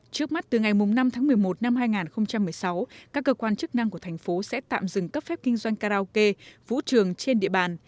trước mắt từ ngày năm tháng một mươi một năm hai nghìn một mươi sáu các cơ quan chức năng của thành phố sẽ tạm dừng cấp phép kinh doanh karaoke vũ trường trên địa bàn